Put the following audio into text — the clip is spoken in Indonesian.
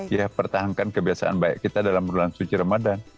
ya pertahankan kebiasaan baik kita dalam bulan suci ramadan